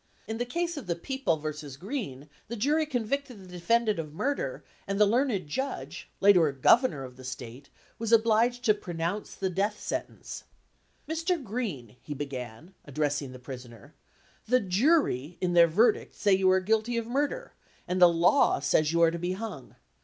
In the case of the People vs. Green the jury con victed the defendant of murder, and the learned judge, — later a governor of the State, — was ob liged to pronounce the death sentence. 65 LINCOLN THE LAWYER "Mr. Green," he began, addressing the pris oner, "the jury in their verdict say you are guilty of murder, and the law says you are to be hung.